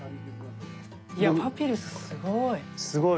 いやパピルスすごい。